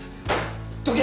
どけ！